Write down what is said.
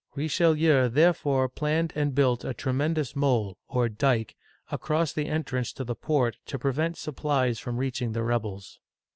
Richelieu therefore planned and built a tremendous mole, or dike, across the entrance to the port to prevent supplies from reaching the rebels.